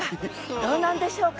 どうなんでしょうか？